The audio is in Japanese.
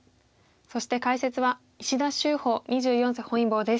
そして解説は石田秀芳二十四世本因坊です。